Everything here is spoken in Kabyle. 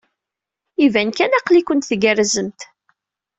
Iban kan aql-ikent tgerrzemt.